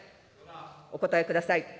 お答えください。